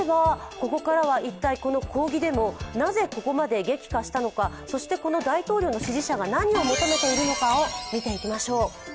ここからは一体この抗議デモなぜここまで激化したのかそしてこの大統領の支持者が何を求めているのかを見ていきましょう。